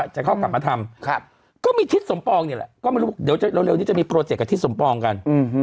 จะเข้ากลับมาทำก็มีทิศสมปองเนี่ยแหละก็ไม่รู้บอกเดี๋ยวเร็วนี้จะมีโปรเจกต์กับทิศสมปองกัน